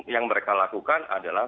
yang mereka lakukan adalah